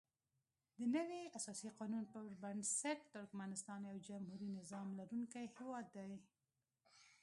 دنوي اساسي قانون پر بنسټ ترکمنستان یو جمهوري نظام لرونکی هیواد دی.